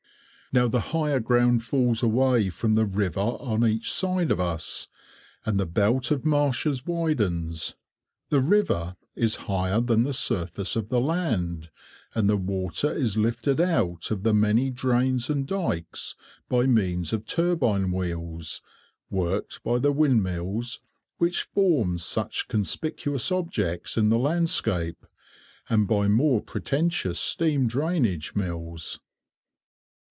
Now the higher ground falls away from the river on each side of us, and the belt of marshes widens, the river is higher than the surface of the land, and the water is lifted out of the many drains and dykes by means of turbine wheels, worked by the windmills which form such conspicuous objects in the landscape, and by more pretentious steam drainage mills.